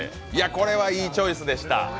これはいいチョイスでした。